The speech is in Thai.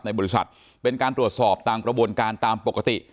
บริษัทเป็นการตรวจสอบตามกระบวนการตามปกติ